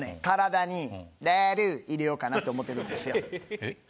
体に「タトゥー」入れようかなって思ってるんですよ。